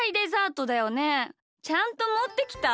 ちゃんともってきた？